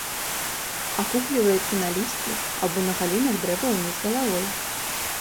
Акукліваецца на лісці або на галінах дрэва ўніз галавой.